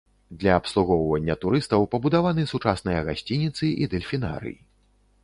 Для абслугоўвання турыстаў пабудаваны сучасныя гасцініцы і дэльфінарый.